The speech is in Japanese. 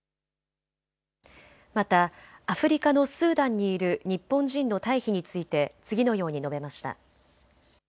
またアフリカのスーダンにいる日本人の退避について次のように述べました。